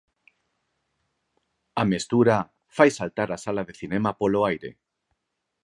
A mestura fai saltar a sala de cinema polo aire.